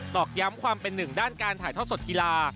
อกย้ำความเป็นหนึ่งด้านการถ่ายทอดสดกีฬา